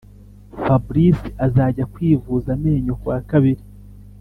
Fabrice azajya kwivuza amenyo kuwakabiri